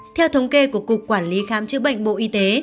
theo thống kê của cục quản lý khám chữa bệnh bộ y tế